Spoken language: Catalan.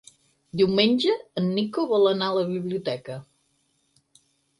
Diumenge en Nico vol anar a la biblioteca.